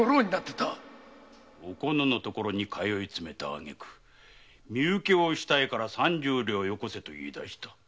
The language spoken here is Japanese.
おこのの所に通いつめたあげく身請けをしたいから三十両よこせと言い出した。